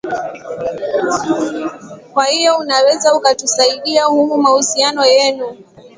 kwa hiyo unaweza ukatusaidia humu mahusiano yenu